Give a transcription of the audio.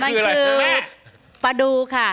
มันคือปลาดูค่ะ